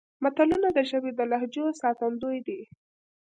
متلونه د ژبې د لهجو ساتندوی دي